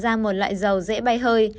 thì là một loại dầu dễ bay hơi